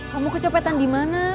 kamu kecopetan dimana